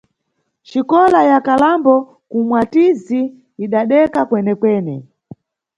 Xikola ya Kalambo ku Mwatizi idadeka kwenekwene.